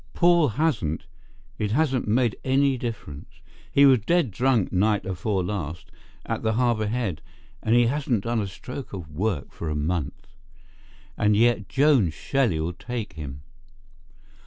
Paul hasn't. It hasn't made any difference. He was dead drunk night afore last at the Harbour head, and he hasn't done a stroke of work for a month. And yet Joan Shelley'll take him."